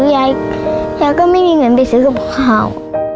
ยายก็ไม่มีเงินไปซื้อของเขา